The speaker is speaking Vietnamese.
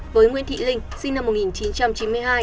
với nguyễn thị linh sinh năm một nghìn chín trăm chín mươi hai